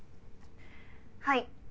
はい。